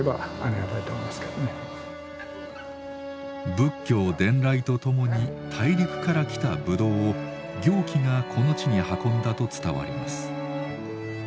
仏教伝来とともに大陸から来たぶどうを行基がこの地に運んだと伝わります。